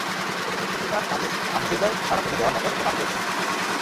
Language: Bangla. তবে সুইস পত্রিকা টাজেস আনজেইগার সাড়া ফেলে দেওয়ার মতো একটা দাবি করেছে।